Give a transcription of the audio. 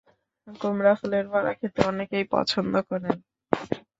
কুমড়া ফুলের বড়া খেতে অনেকেই পছন্দ করেন।